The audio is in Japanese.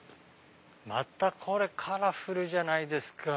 またこれカラフルじゃないですか。